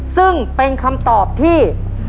ซึ่งเป็นคำตอบที่